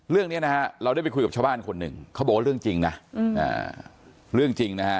เรื่องนี้นะฮะเราได้ไปคุยกับชาวบ้านคนหนึ่งเขาบอกว่าเรื่องจริงนะเรื่องจริงนะฮะ